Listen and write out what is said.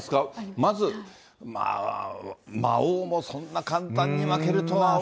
まず、魔王もそんな簡単には負けるとは。